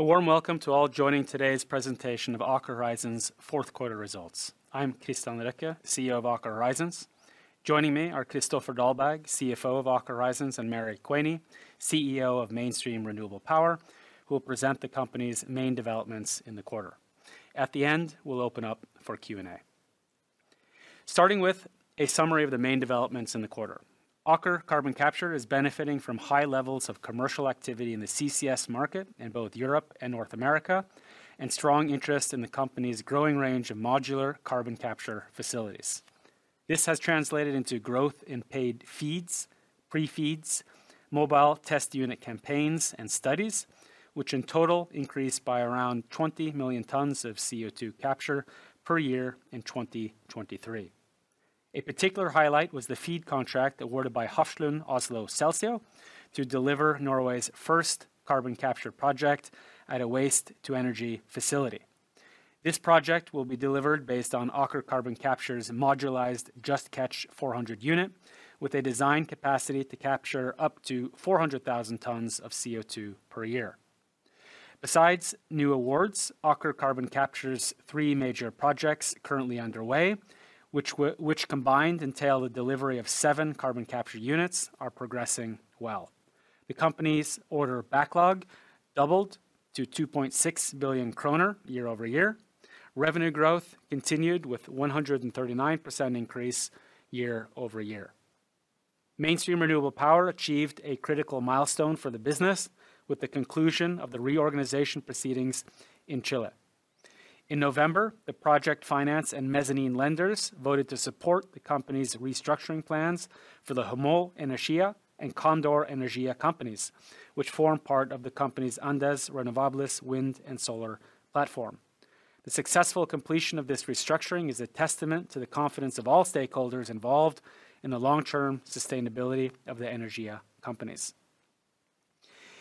A warm welcome to all joining today's presentation of Aker Horizons' fourth quarter results. I'm Kristian Røkke, CEO of Aker Horizons. Joining me are Kristoffer Dahlberg, CFO of Aker Horizons, and Mary Quaney, CEO of Mainstream Renewable Power, who will present the company's main developments in the quarter. At the end, we'll open up for Q&A. Starting with a summary of the main developments in the quarter: Aker Carbon Capture is benefiting from high levels of commercial activity in the CCS market in both Europe and North America, and strong interest in the company's growing range of modular carbon capture facilities. This has translated into growth in paid FEEDs, pre-FEEDs, mobile test unit campaigns, and studies, which in total increased by around 20 million tons of CO2 capture per year in 2023. A particular highlight was the FEED contract awarded by Hafslund Celsio to deliver Norway's first carbon capture project at a waste-to-energy facility. This project will be delivered based on Aker Carbon Capture's modularized Just Catch 400 unit, with a design capacity to capture up to 400,000 tons of CO2 per year. Besides new awards, Aker Carbon Capture's three major projects currently underway, which combined entail the delivery of seven carbon capture units, are progressing well. The company's order backlog doubled to 2.6 billion kroner year-over-year. Revenue growth continued with a 139% increase year-over-year. Mainstream Renewable Power achieved a critical milestone for the business with the conclusion of the reorganization proceedings in Chile. In November, the project finance and mezzanine lenders voted to support the company's restructuring plans for the Huemul Energia and Condor Energia companies, which form part of the company's Andes Renovables wind and solar platform. The successful completion of this restructuring is a testament to the confidence of all stakeholders involved in the long-term sustainability of the Energia companies.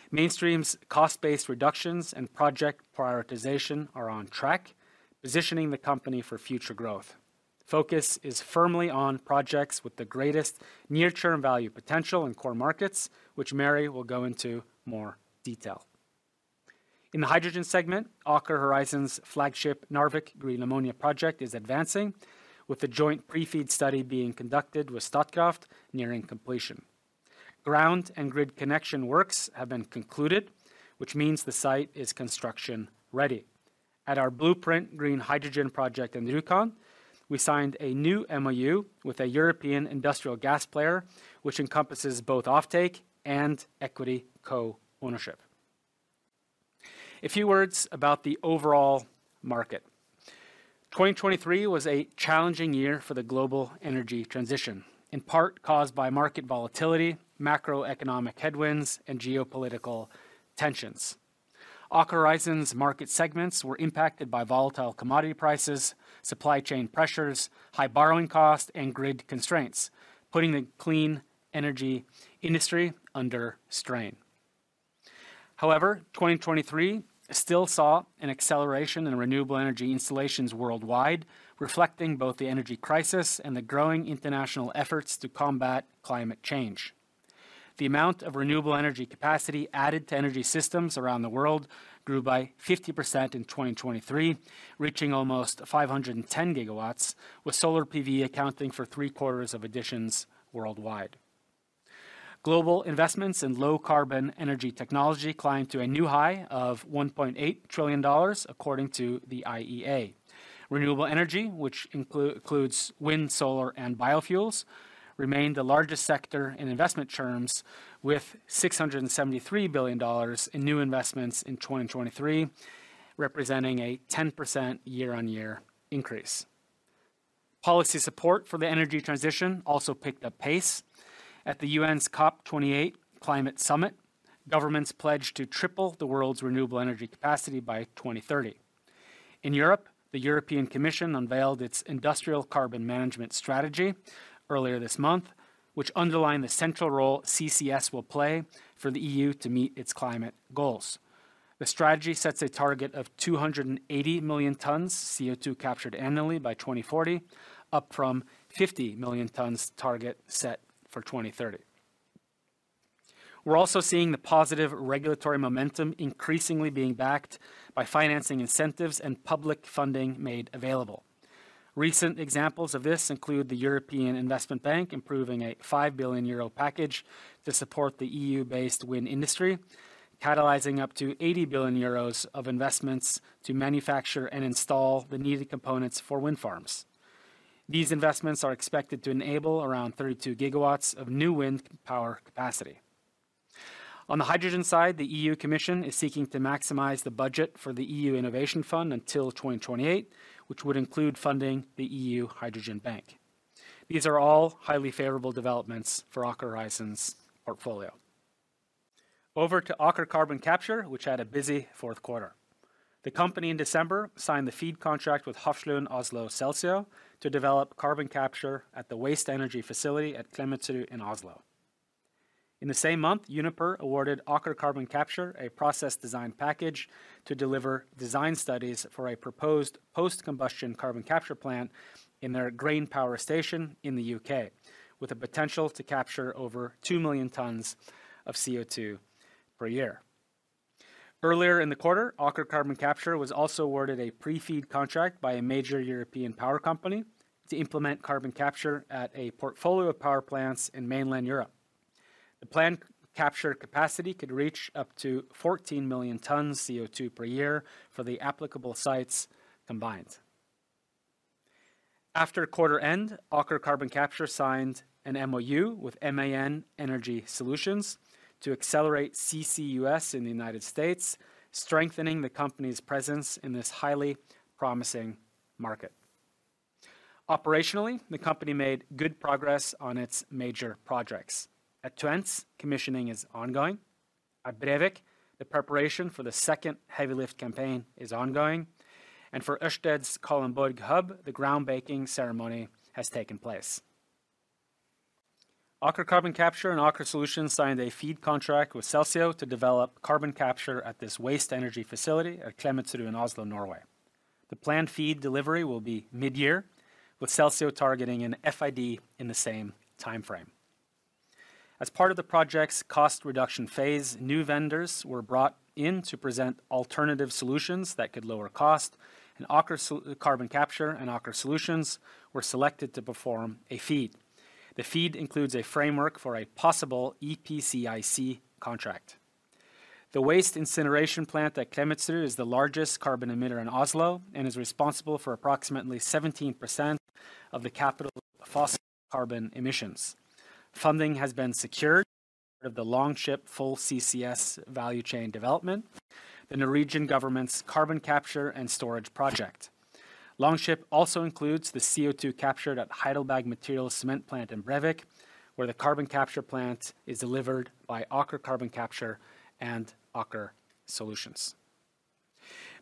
Mainstream's cost-based reductions and project prioritization are on track, positioning the company for future growth. Focus is firmly on projects with the greatest near-term value potential in core markets, which Mary will go into more detail. In the hydrogen segment, Aker Horizons' flagship Narvik Green Ammonia project is advancing, with the joint pre-FEED study being conducted with Statkraft nearing completion. Ground and grid connection works have been concluded, which means the site is construction ready. At our blueprint green hydrogen project in Rjukan, we signed a new MOU with a European industrial gas player, which encompasses both offtake and equity co-ownership. A few words about the overall market: 2023 was a challenging year for the global energy transition, in part caused by market volatility, macroeconomic headwinds, and geopolitical tensions. Aker Horizons' market segments were impacted by volatile commodity prices, supply chain pressures, high borrowing costs, and grid constraints, putting the clean energy industry under strain. However, 2023 still saw an acceleration in renewable energy installations worldwide, reflecting both the energy crisis and the growing international efforts to combat climate change. The amount of renewable energy capacity added to energy systems around the world grew by 50% in 2023, reaching almost 510 gigawatts, with solar PV accounting for three-quarters of additions worldwide. Global investments in low-carbon energy technology climbed to a new high of $1.8 trillion, according to the IEA. Renewable energy, which includes wind, solar, and biofuels, remained the largest sector in investment terms, with $673 billion in new investments in 2023, representing a 10% year-on-year increase. Policy support for the energy transition also picked up pace. At the UN's COP28 Climate Summit, governments pledged to triple the world's renewable energy capacity by 2030. In Europe, the European Commission unveiled its Industrial Carbon Management Strategy earlier this month, which underlined the central role CCS will play for the EU to meet its climate goals. The strategy sets a target of 280 million tons CO2 captured annually by 2040, up from the 50 million tons target set for 2030. We're also seeing the positive regulatory momentum increasingly being backed by financing incentives and public funding made available. Recent examples of this include the European Investment Bank approving a 5 billion euro package to support the EU-based wind industry, catalyzing up to 80 billion euros of investments to manufacture and install the needed components for wind farms. These investments are expected to enable around 32 GW of new wind power capacity. On the hydrogen side, the European Commission is seeking to maximize the budget for the EU Innovation Fund until 2028, which would include funding the EU Hydrogen Bank. These are all highly favorable developments for Aker Horizons' portfolio. Over to Aker Carbon Capture, which had a busy fourth quarter. The company in December signed the FEED contract with Hafslund Celsio to develop carbon capture at the waste-to-energy facility at Klemetsrud in Oslo. In the same month, Uniper awarded Aker Carbon Capture a process design package to deliver design studies for a proposed post-combustion carbon capture plant in their Grain power station in the UK, with the potential to capture over 2 million tons of CO2 per year. Earlier in the quarter, Aker Carbon Capture was also awarded a pre-FEED contract by a major European power company to implement carbon capture at a portfolio of power plants in mainland Europe. The planned capture capacity could reach up to 14 million tons CO2 per year for the applicable sites combined. After quarter-end, Aker Carbon Capture signed an MOU with MAN Energy Solutions to accelerate CCUS in the United States, strengthening the company's presence in this highly promising market. Operationally, the company made good progress on its major projects. At Twence, commissioning is ongoing. At Brevik, the preparation for the second heavy lift campaign is ongoing. For Øysted's Kalundborg hub, the ground-breaking ceremony has taken place. Aker Carbon Capture and Aker Solutions signed a FEED contract with Hafslund Celsio to develop carbon capture at this waste-to-energy facility at Klemetsrud in Oslo, Norway. The planned FEED delivery will be mid-year, with Hafslund Celsio targeting an FID in the same time frame. As part of the project's cost reduction phase, new vendors were brought in to present alternative solutions that could lower cost, and Aker Carbon Capture and Aker Solutions were selected to perform a FEED. The FEED includes a framework for a possible EPCIC contract. The waste incineration plant at Klemetsrud is the largest carbon emitter in Oslo and is responsible for approximately 17% of the capital fossil carbon emissions. Funding has been secured as part of the Longship full CCS value chain development, the Norwegian government's carbon capture and storage project. Longship also includes the CO2 captured at Heidelberg Materials cement plant in Brevik, where the carbon capture plant is delivered by Aker Carbon Capture and Aker Solutions.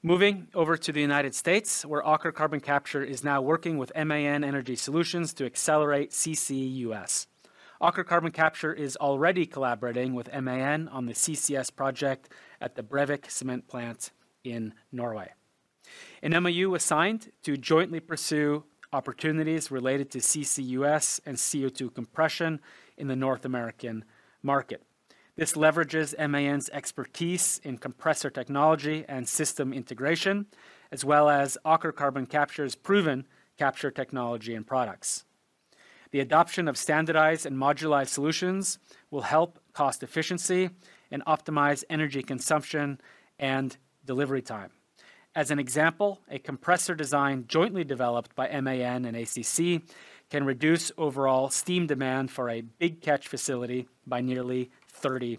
Moving over to the United States, where Aker Carbon Capture is now working with MAN Energy Solutions to accelerate CCUS. Aker Carbon Capture is already collaborating with MAN on the CCS project at the Brevik cement plant in Norway. An MOU was signed to jointly pursue opportunities related to CCUS and CO2 compression in the North American market. This leverages MAN's expertise in compressor technology and system integration, as well as Aker Carbon Capture's proven capture technology and products. The adoption of standardized and modularized solutions will help cost efficiency and optimize energy consumption and delivery time. As an example, a compressor design jointly developed by MAN and ACC can reduce overall steam demand for a Big Catch facility by nearly 30%.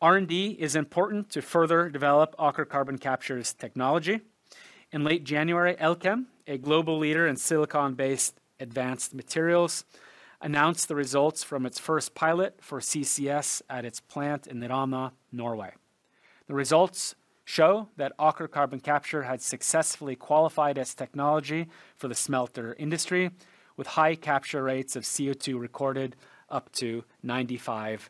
R&D is important to further develop Aker Carbon Capture's technology. In late January, Elkem, a global leader in silicon-based advanced materials, announced the results from its first pilot for CCS at its plant in Thamshavn, Norway. The results show that Aker Carbon Capture had successfully qualified as technology for the smelter industry, with high capture rates of CO2 recorded up to 95%.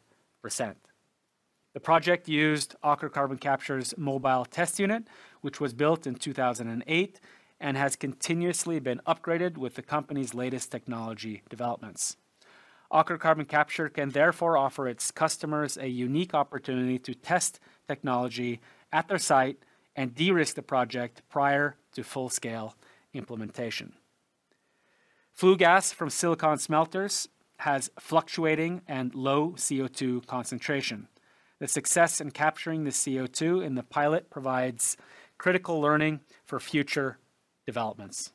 The project used Aker Carbon Capture's mobile test unit, which was built in 2008 and has continuously been upgraded with the company's latest technology developments. Aker Carbon Capture can therefore offer its customers a unique opportunity to test technology at their site and de-risk the project prior to full-scale implementation. Flue gas from silicon smelters has fluctuating and low CO2 concentration. The success in capturing the CO2 in the pilot provides critical learning for future developments.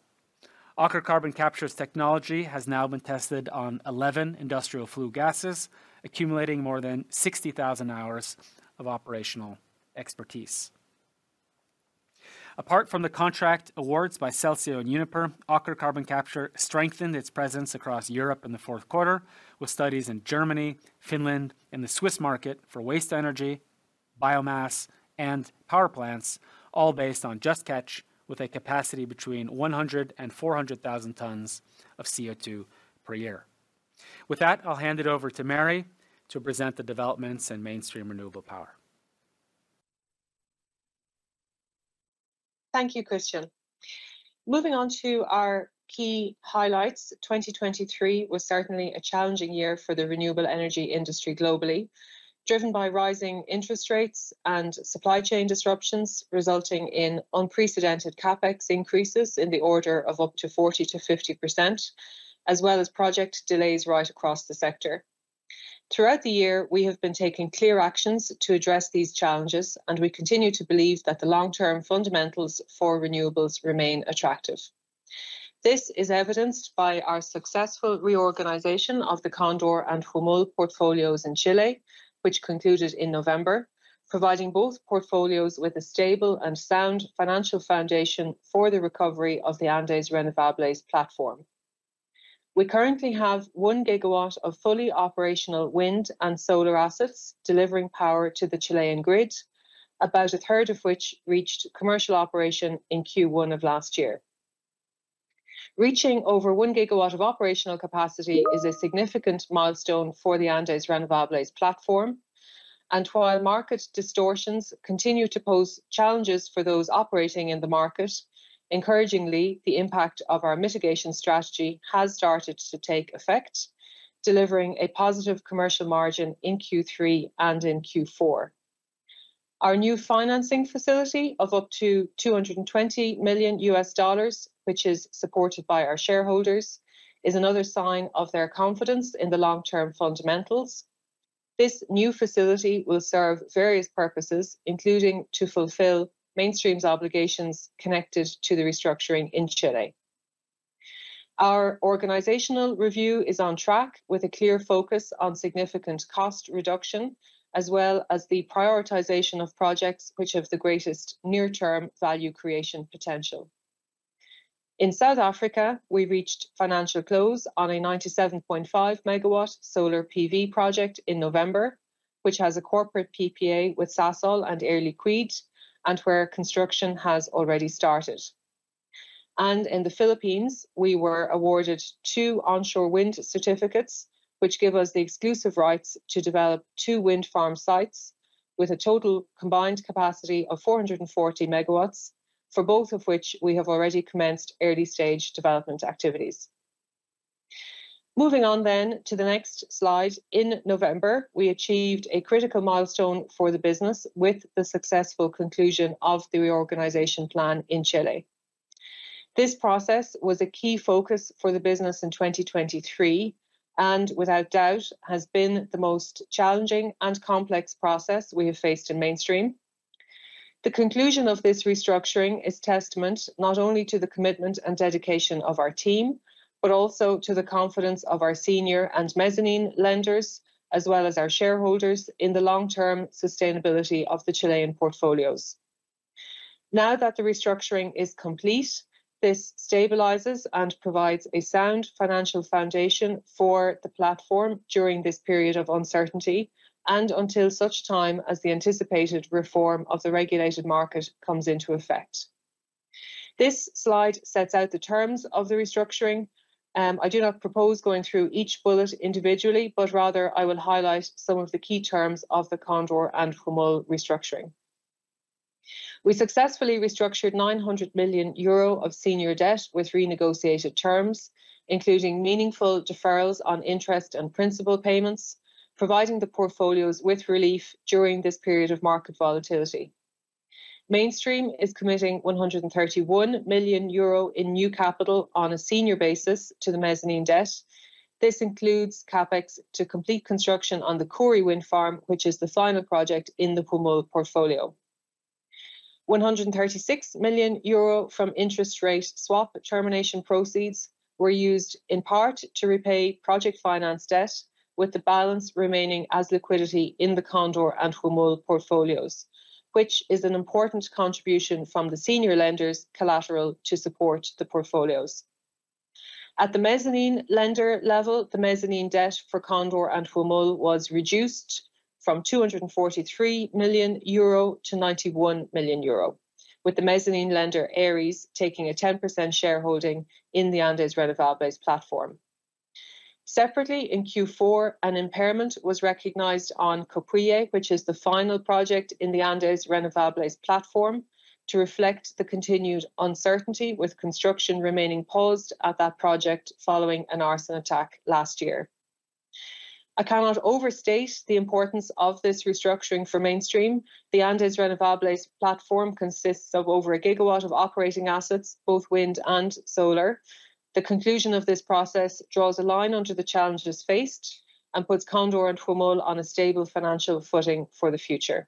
Aker Carbon Capture's technology has now been tested on 11 industrial flue gases, accumulating more than 60,000 hours of operational expertise. Apart from the contract awards by Celsio and Uniper, Aker Carbon Capture strengthened its presence across Europe in the fourth quarter, with studies in Germany, Finland, and the Swiss market for waste energy, biomass, and power plants, all based on Just Catch, with a capacity between 100,000 and 400,000 tons of CO2 per year. With that, I'll hand it over to Mary to present the developments in Mainstream Renewable Power. Thank you, kristian. Moving on to our key highlights, 2023 was certainly a challenging year for the renewable energy industry globally, driven by rising interest rates and supply chain disruptions resulting in unprecedented CapEx increases in the order of up to 40%-50%, as well as project delays right across the sector. Throughout the year, we have been taking clear actions to address these challenges, and we continue to believe that the long-term fundamentals for renewables remain attractive. This is evidenced by our successful reorganization of the Condor and Homo portfolios in Chile, which concluded in November, providing both portfolios with a stable and sound financial foundation for the recovery of the Andes Renovables platform. We currently have 1 gigawatt of fully operational wind and solar assets delivering power to the Chilean grid, about a third of which reached commercial operation in Q1 of last year. Reaching over 1 gigawatt of operational capacity is a significant milestone for the Andes Renovables platform. And while market distortions continue to pose challenges for those operating in the market, encouragingly, the impact of our mitigation strategy has started to take effect, delivering a positive commercial margin in Q3 and in Q4. Our new financing facility of up to $220 million, which is supported by our shareholders, is another sign of their confidence in the long-term fundamentals. This new facility will serve various purposes, including to fulfill Mainstream's obligations connected to the restructuring in Chile. Our organizational review is on track, with a clear focus on significant cost reduction, as well as the prioritization of projects which have the greatest near-term value creation potential. In South Africa, we reached financial close on a 97.5 MW solar PV project in November, which has a corporate PPA with Sasol and Air Liquide, and where construction has already started. In the Philippines, we were awarded two onshore wind certificates, which give us the exclusive rights to develop two wind farm sites with a total combined capacity of 440 MW, for both of which we have already commenced early-stage development activities. Moving on then to the next slide, in November, we achieved a critical milestone for the business with the successful conclusion of the reorganization plan in Chile. This process was a key focus for the business in 2023 and, without doubt, has been the most challenging and complex process we have faced in Mainstream. The conclusion of this restructuring is testament not only to the commitment and dedication of our team, but also to the confidence of our senior and mezzanine lenders, as well as our shareholders, in the long-term sustainability of the Chilean portfolios. Now that the restructuring is complete, this stabilizes and provides a sound financial foundation for the platform during this period of uncertainty and until such time as the anticipated reform of the regulated market comes into effect. This slide sets out the terms of the restructuring. I do not propose going through each bullet individually, but rather I will highlight some of the key terms of the Condor and Homo restructuring. We successfully restructured 900 million euro of senior debt with renegotiated terms, including meaningful deferrals on interest and principal payments, providing the portfolios with relief during this period of market volatility. Mainstream is committing 131 million euro in new capital on a senior basis to the mezzanine debt. This includes CapEx to complete construction on the Kori wind farm, which is the final project in the Homo portfolio. 136 million euro from interest rate swap termination proceeds were used in part to repay project finance debt, with the balance remaining as liquidity in the Condor and Homo portfolios, which is an important contribution from the senior lenders' collateral to support the portfolios. At the mezzanine lender level, the mezzanine debt for Condor and Homo was reduced from 243 million euro to 91 million euro, with the mezzanine lender Ares taking a 10% shareholding in the Andes Renovables platform. Separately, in Q4, an impairment was recognized on Copihue, which is the final project in the Andes Renovables platform, to reflect the continued uncertainty, with construction remaining paused at that project following an arson attack last year. I cannot overstate the importance of this restructuring for Mainstream. The Andes Renovables platform consists of over a gigawatt of operating assets, both wind and solar. The conclusion of this process draws a line under the challenges faced and puts Condor and Homo on a stable financial footing for the future.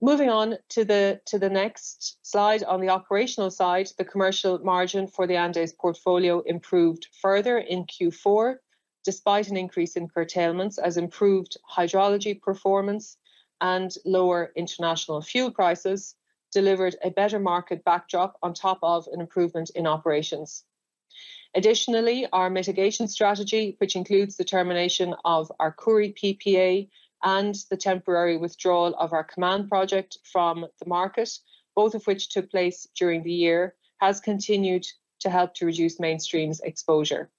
Moving on to the next slide, on the operational side, the commercial margin for the Andes portfolio improved further in Q4, despite an increase in curtailments, as improved hydrology performance and lower international fuel prices delivered a better market backdrop on top of an improvement in operations. Additionally, our mitigation strategy, which includes the termination of our Kori PPA and the temporary withdrawal of our Caman project from the market, both of which took place during the year, has continued to help to reduce Mainstream's exposure.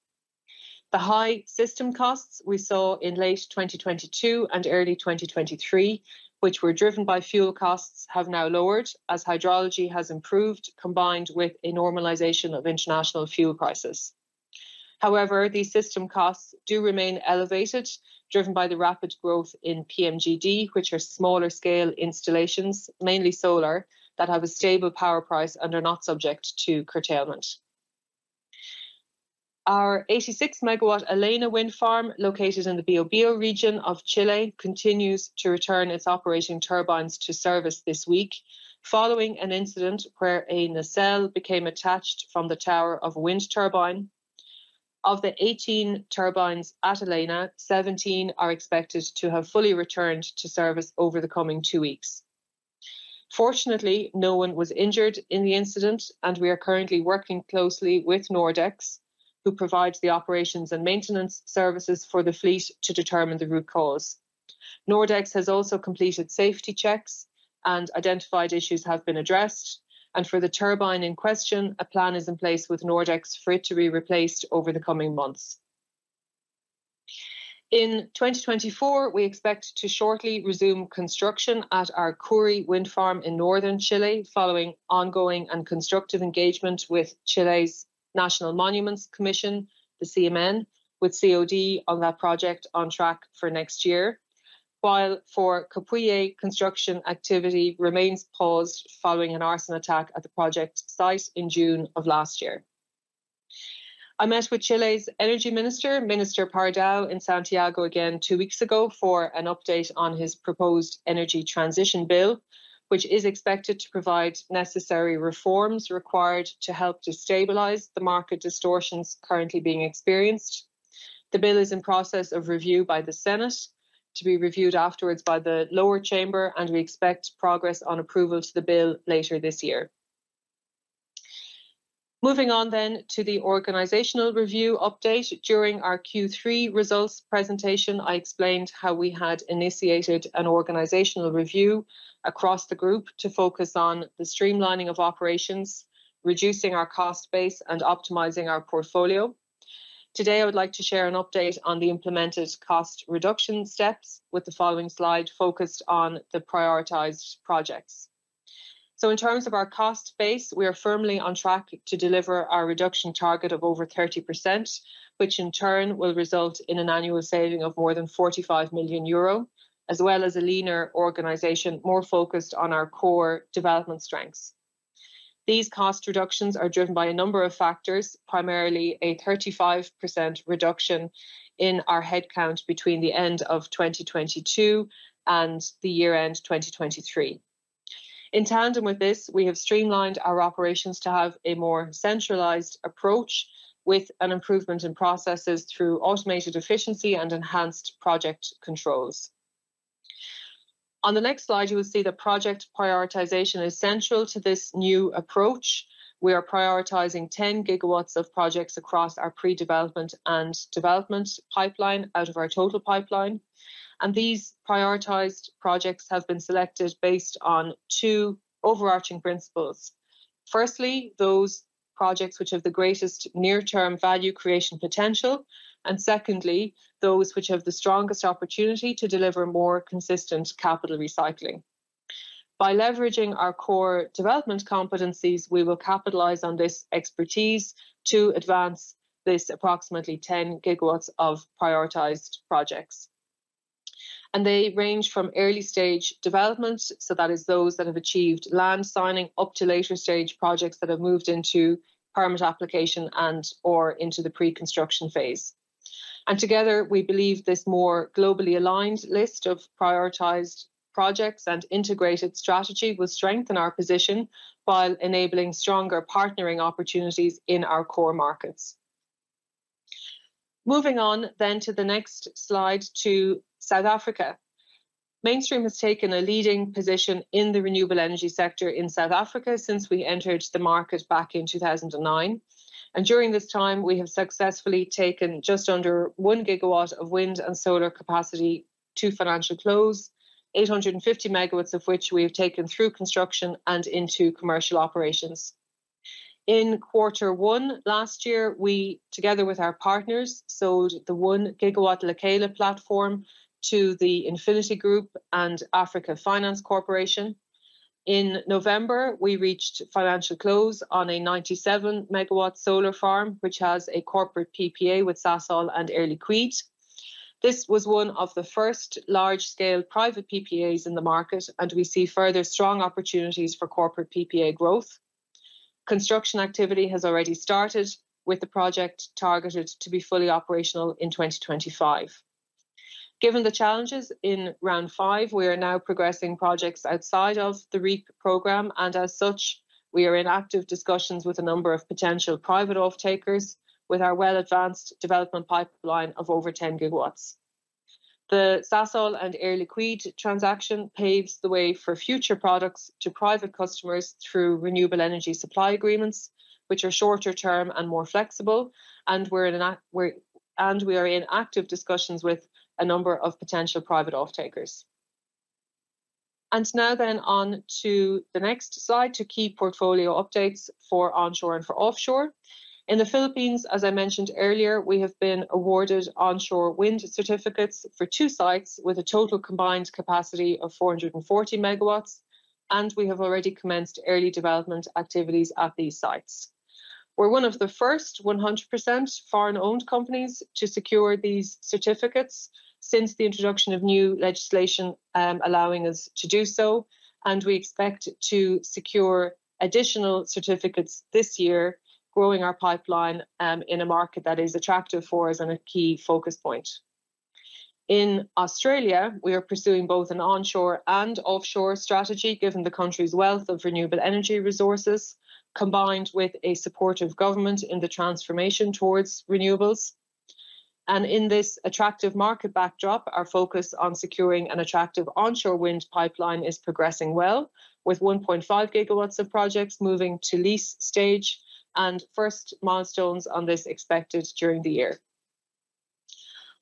The high system costs we saw in late 2022 and early 2023, which were driven by fuel costs, have now lowered as hydrology has improved combined with a normalization of international fuel prices. However, these system costs do remain elevated, driven by the rapid growth in PMGD, which are smaller-scale installations, mainly solar, that have a stable power price and are not subject to curtailment. Our 86-megawatt Alena wind farm, located in the Biobío region of Chile, continues to return its operating turbines to service this week, following an incident where a nacelle became attached from the tower of a wind turbine. Of the 18 turbines at Alena, 17 are expected to have fully returned to service over the coming two weeks. Fortunately, no one was injured in the incident, and we are currently working closely with Nordex, who provides the operations and maintenance services for the fleet to determine the root cause. Nordex has also completed safety checks, and identified issues have been addressed. For the turbine in question, a plan is in place with Nordex for it to be replaced over the coming months. In 2024, we expect to shortly resume construction at our Kori wind farm in northern Chile, following ongoing and constructive engagement with Chile's National Monuments Commission, the CMN, with COD on that project on track for next year, while for Coprie, construction activity remains paused following an arson attack at the project site in June of last year. I met with Chile's energy minister, Minister Pardow, in Santiago again two weeks ago for an update on his proposed energy transition bill, which is expected to provide necessary reforms required to help to stabilize the market distortions currently being experienced. The bill is in process of review by the Senate, to be reviewed afterwards by the lower chamber, and we expect progress on approval to the bill later this year. Moving on then to the organizational review update. During our Q3 results presentation, I explained how we had initiated an organizational review across the group to focus on the streamlining of operations, reducing our cost base, and optimizing our portfolio. Today, I would like to share an update on the implemented cost reduction steps with the following slide focused on the prioritized projects. In terms of our cost base, we are firmly on track to deliver our reduction target of over 30%, which in turn will result in an annual saving of more than 45 million euro, as well as a leaner organization more focused on our core development strengths. These cost reductions are driven by a number of factors, primarily a 35% reduction in our headcount between the end of 2022 and the year-end 2023. In tandem with this, we have streamlined our operations to have a more centralized approach with an improvement in processes through automated efficiency and enhanced project controls. On the next slide, you will see the project prioritization is central to this new approach. We are prioritizing 10 GW of projects across our pre-development and development pipeline out of our total pipeline. These prioritized projects have been selected based on two overarching principles. Firstly, those projects which have the greatest near-term value creation potential, and secondly, those which have the strongest opportunity to deliver more consistent capital recycling. By leveraging our core development competencies, we will capitalize on this expertise to advance these approximately 10 GW of prioritized projects. They range from early-stage development, so that is those that have achieved land signing, up to later-stage projects that have moved into permit application and/or into the pre-construction phase. Together, we believe this more globally aligned list of prioritized projects and integrated strategy will strengthen our position while enabling stronger partnering opportunities in our core markets. Moving on to the next slide, to South Africa. Mainstream has taken a leading position in the renewable energy sector in South Africa since we entered the market back in 2009. During this time, we have successfully taken just under 1 gigawatt of wind and solar capacity to financial close, 850 megawatts of which we have taken through construction and into commercial operations. In quarter one last year, we, together with our partners, sold the 1 gigawatt Lekela platform to the Infinity Group and Africa Finance Corporation. In November, we reached financial close on a 97-megawatt solar farm, which has a corporate PPA with Sasol and Air Liquide. This was one of the first large-scale private PPAs in the market, and we see further strong opportunities for corporate PPA growth. Construction activity has already started, with the project targeted to be fully operational in 2025. Given the challenges in round 5, we are now progressing projects outside of the REAP program, and as such, we are in active discussions with a number of potential private off-takers with our well-advanced development pipeline of over 10 GW. The Sasol and Air Liquide transaction paves the way for future products to private customers through renewable energy supply agreements, which are shorter-term and more flexible, and we're in active discussions with a number of potential private off-takers. Now then on to the next slide to key portfolio updates for onshore and for offshore. In the Philippines, as I mentioned earlier, we have been awarded onshore wind certificates for two sites with a total combined capacity of 440 MW, and we have already commenced early development activities at these sites. We're one of the first 100% foreign-owned companies to secure these certificates since the introduction of new legislation allowing us to do so, and we expect to secure additional certificates this year, growing our pipeline in a market that is attractive for us and a key focus point. In Australia, we are pursuing both an onshore and offshore strategy, given the country's wealth of renewable energy resources, combined with a supportive government in the transformation towards renewables. In this attractive market backdrop, our focus on securing an attractive onshore wind pipeline is progressing well, with 1.5 GW of projects moving to lease stage and first milestones on this expected during the year.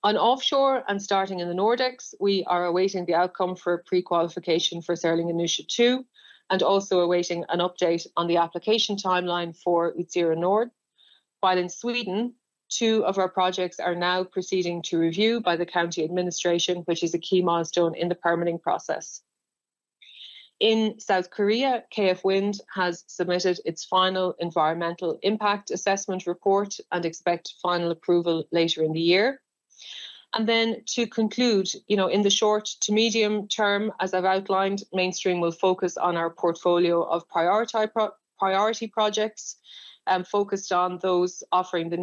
On offshore and starting in the Nordics, we are awaiting the outcome for pre-qualification for Stirling Initiative 2 and also awaiting an update on the application timeline for Utsira Nord. While in Sweden, two of our projects are now proceeding to review by the county administration, which is a key milestone in the permitting process. In South Korea, KF Wind has submitted its final environmental impact assessment report and expects final approval later in the year. Then to conclude, in the short to medium term, as I've outlined, Mainstream will focus on our portfolio of priority projects focused on those offering the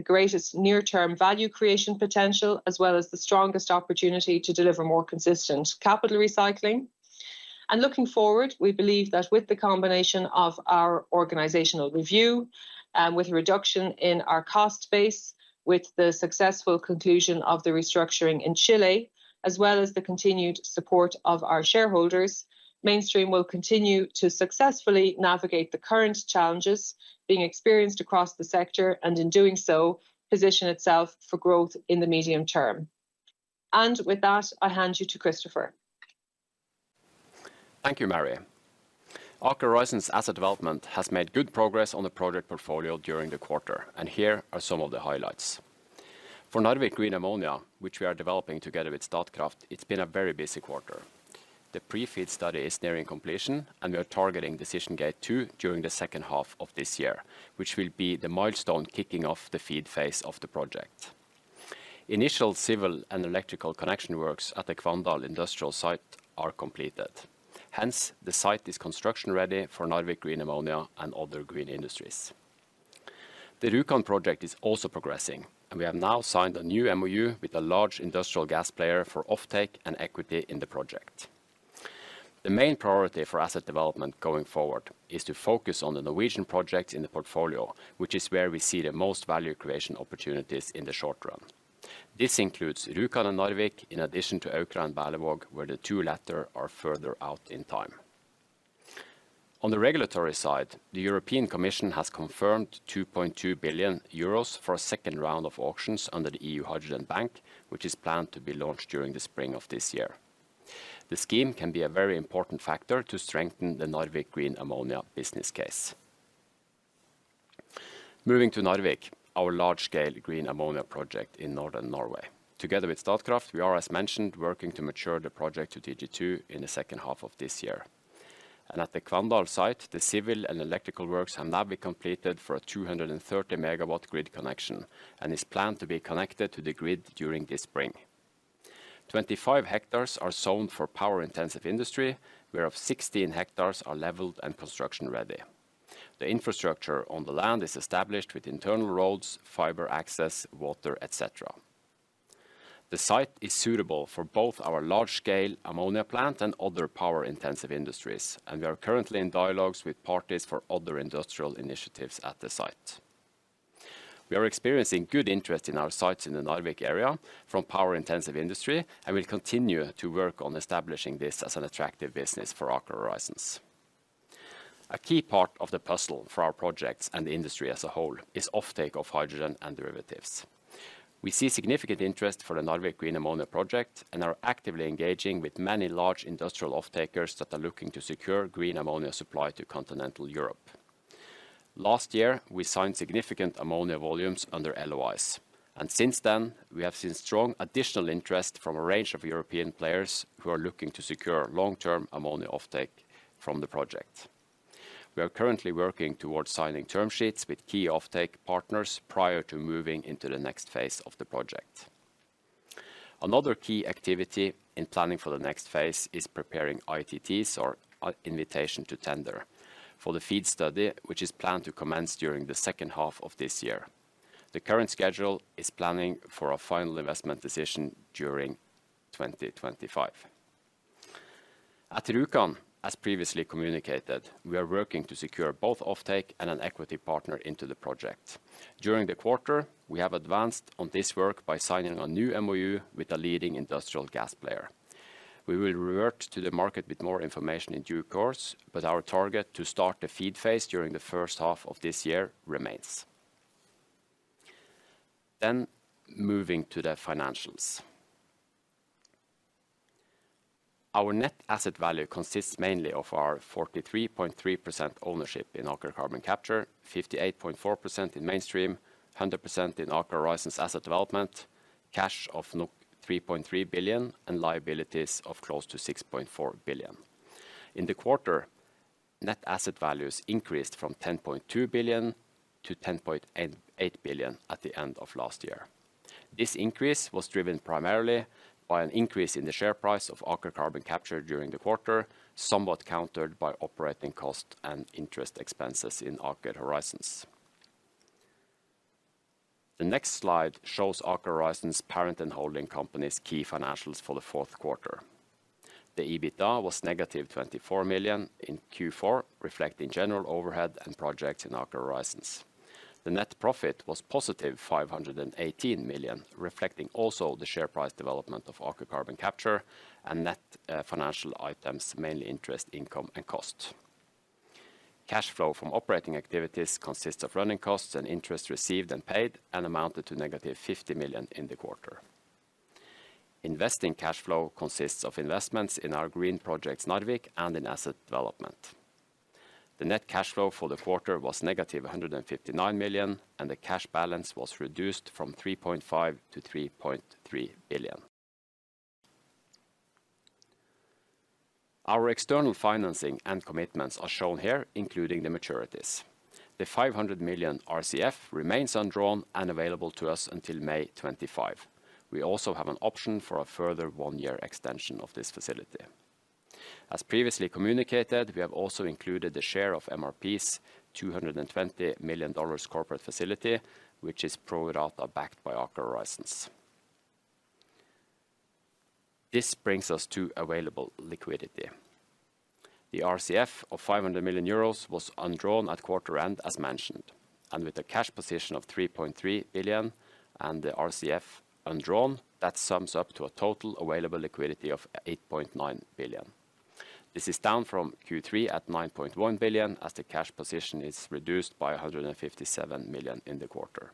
greatest near-term value creation potential, as well as the strongest opportunity to deliver more consistent capital recycling. Looking forward, we believe that with the combination of our organizational review, with a reduction in our cost base, with the successful conclusion of the restructuring in Chile, as well as the continued support of our shareholders, Mainstream will continue to successfully navigate the current challenges being experienced across the sector and, in doing so, position itself for growth in the medium term. And with that, I hand you to Kristoffer. Thank you, Mary. Aker Horizons Asset Development has made good progress on the project portfolio during the quarter, and here are some of the highlights. For Narvik Green Ammonia, which we are developing together with Statkraft, it's been a very busy quarter. The pre-FEED study is nearing completion, and we are targeting Decision Gate 2 during the second half of this year, which will be the milestone kicking off the FEED phase of the project. Initial civil and electrical connection works at the Kvandal industrial site are completed. Hence, the site is construction-ready for Narvik Green Ammonia and other green industries. The Rjukan project is also progressing, and we have now signed a new MOU with a large industrial gas player for offtake and equity in the project. The main priority for asset development going forward is to focus on the Norwegian projects in the portfolio, which is where we see the most value creation opportunities in the short run. This includes Rjukan and Narvik, in addition to Aukra and Berlevåg, where the two latter are further out in time. On the regulatory side, the European Commission has confirmed 2.2 billion euros for a second round of auctions under the EU Hydrogen Bank, which is planned to be launched during the spring of this year. The scheme can be a very important factor to strengthen the Narvik Green Ammonia business case. Moving to Narvik, our large-scale green ammonia project in northern Norway. Together with Statkraft, we are, as mentioned, working to mature the project to DG2 in the second half of this year. At the Kvandal site, the civil and electrical works have now been completed for a 230 MW grid connection and is planned to be connected to the grid during this spring. 25 hectares are zoned for power-intensive industry, whereof 16 hectares are levelled and construction-ready. The infrastructure on the land is established with internal roads, fiber access, water, etc. The site is suitable for both our large-scale ammonia plant and other power-intensive industries, and we are currently in dialogues with parties for other industrial initiatives at the site. We are experiencing good interest in our sites in the Narvik area from power-intensive industry and will continue to work on establishing this as an attractive business for Aker Horizons. A key part of the puzzle for our projects and the industry as a whole is offtake of hydrogen and derivatives. We see significant interest for the Narvik Green Ammonia project and are actively engaging with many large industrial off-takers that are looking to secure green ammonia supply to continental Europe. Last year, we signed significant ammonia volumes under LOIs, and since then, we have seen strong additional interest from a range of European players who are looking to secure long-term ammonia offtake from the project. We are currently working towards signing term sheets with key offtake partners prior to moving into the next phase of the project. Another key activity in planning for the next phase is preparing ITTs, or invitation to tender, for the FEED study, which is planned to commence during the second half of this year. The current schedule is planning for a final investment decision during 2025. At Rjukan, as previously communicated, we are working to secure both offtake and an equity partner into the project. During the quarter, we have advanced on this work by signing a new MOU with a leading industrial gas player. We will revert to the market with more information in due course, but our target to start the FEED phase during the first half of this year remains. Then moving to the financials. Our net asset value consists mainly of our 43.3% ownership in Aker Carbon Capture, 58.4% in Mainstream, 100% in Aker Horizons Asset Development, cash of 3.3 billion, and liabilities of close to 6.4 billion. In the quarter, net asset values increased from 10.2 billion to 10.8 billion at the end of last year. This increase was driven primarily by an increase in the share price of Aker Carbon Capture during the quarter, somewhat countered by operating costs and interest expenses in Aker Horizons. The next slide shows Aker Horizons Parent and Holding Company's key financials for the fourth quarter. The EBITDA was negative 24 million in Q4, reflecting general overhead and projects in Aker Horizons. The net profit was positive 518 million, reflecting also the share price development of Aker Carbon Capture and net financial items, mainly interest, income, and cost. Cash flow from operating activities consists of running costs and interest received and paid, and amounted to negative 50 million in the quarter. Investing cash flow consists of investments in our green projects Narvik and in asset development. The net cash flow for the quarter was negative 159 million, and the cash balance was reduced from 3.5 billion to 3.3 billion. Our external financing and commitments are shown here, including the maturities. The 500 million RCF remains undrawn and available to us until May 25. We also have an option for a further one-year extension of this facility. As previously communicated, we have also included the share of MRP's $220 million corporate facility, which is pro-rata backed by Aker Horizons. This brings us to available liquidity. The RCF of 500 million euros was undrawn at quarter end, as mentioned, and with a cash position of 3.3 billion and the RCF undrawn, that sums up to a total available liquidity of 8.9 billion. This is down from Q3 at 9.1 billion as the cash position is reduced by 157 million in the quarter.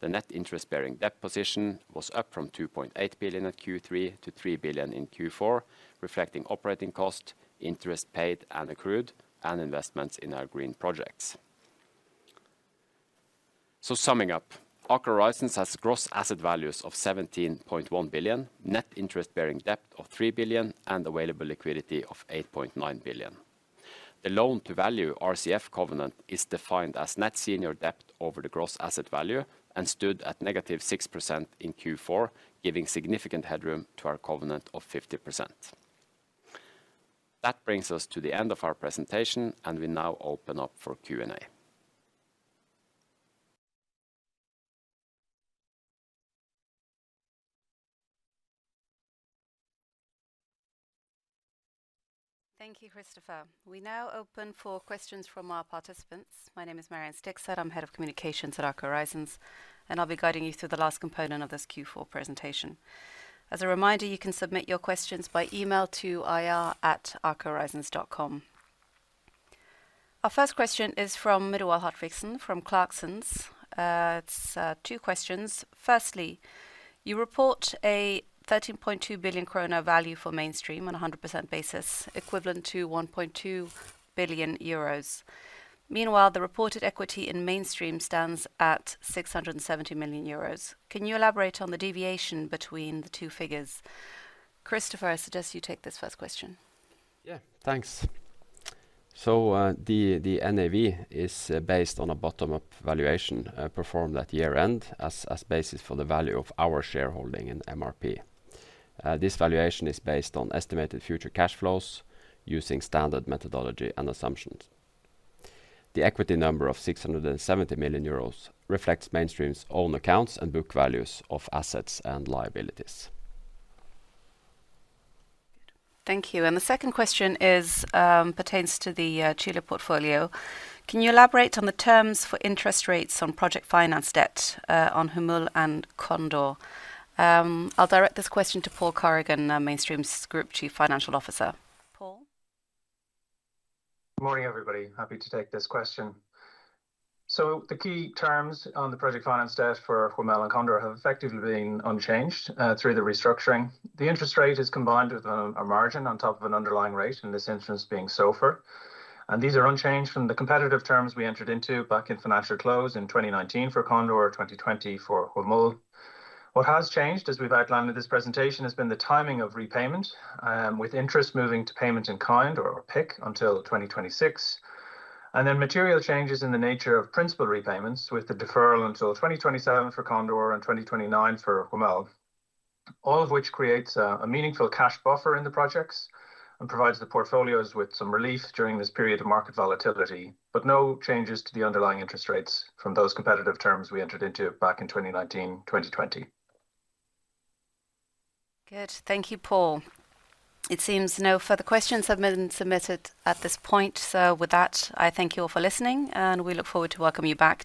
The net interest-bearing debt position was up from 2.8 billion at Q3 to 3 billion in Q4, reflecting operating costs, interest paid and accrued, and investments in our green projects. So summing up, Aker Horizons has gross asset values of 17.1 billion, net interest-bearing debt of 3 billion, and available liquidity of 8.9 billion. The loan-to-value RCF covenant is defined as net senior debt over the gross asset value and stood at -6% in Q4, giving significant headroom to our covenant of 50%. That brings us to the end of our presentation, and we now open up for Q&A. Thank you, Kristoffer We now open for questions from our participants. My name is Marianne Stigset. I'm head of communications at Aker Horizons, and I'll be guiding you through the last component of this Q4 presentation. As a reminder, you can submit your questions by email to ir@akerhorizons.com. Our first question is from Midowell Hartvigsen from Clarksons. It's two questions. Firstly, you report a EUR 13.2 billion value for Mainstream on a 100% basis, equivalent to 1.2 billion euros. Meanwhile, the reported equity in Mainstream stands at 670 million euros. Can you elaborate on the deviation between the two figures? Kristoffer, I suggest you take this first question. Yeah, thanks. So the NAV is based on a bottom-up valuation performed at year-end as basis for the value of our shareholding in MRP. This valuation is based on estimated future cash flows using standard methodology and assumptions. The equity number of 670 million euros reflects Mainstream's own accounts and book values of assets and liabilities. Thank you. The second question pertains to the Chile portfolio. Can you elaborate on the terms for interest rates on project finance debt on Huemel and Condor? I'll direct this question to Paul Corrigan, Mainstream's Group Chief Financial Officer. Paul? Good morning, everybody. Happy to take this question. So the key terms on the project finance debt for Huemel and Condor have effectively been unchanged through the restructuring. The interest rate is combined with a margin on top of an underlying rate, in this instance being SOFR. And these are unchanged from the competitive terms we entered into back in financial close in 2019 for Condor, 2020 for Huemel. What has changed, as we've outlined in this presentation, has been the timing of repayment, with interest moving to payment in kind, or PIK, until 2026. Then material changes in the nature of principal repayments, with the deferral until 2027 for Condor and 2029 for Huemel, all of which creates a meaningful cash buffer in the projects and provides the portfolios with some relief during this period of market volatility, but no changes to the underlying interest rates from those competitive terms we entered into back in 2019, 2020. Good. Thank you, Paul. It seems no further questions have been submitted at this point. With that, I thank you all for listening, and we look forward to welcoming you back